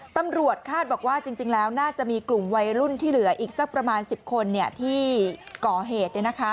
ตำรวจคาดบอกว่าจริงแล้วน่าจะมีกลุ่มวัยรุ่นที่เหลืออีกสักประมาณ๑๐คนที่ก่อเหตุ